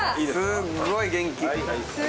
すっごい元気。